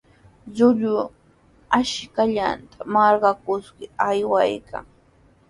Llullu ashkallanta marqakuskir aywaykan.